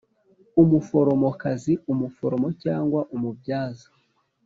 Umuforomokazi umuforomo cyangwa umubyaza